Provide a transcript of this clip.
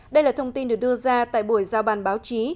đây là thông tin được đưa ra tại buổi giao bàn báo chí